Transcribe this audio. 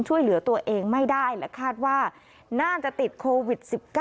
ช่วยเหลือตัวเองไม่ได้และคาดว่าน่าจะติดโควิด๑๙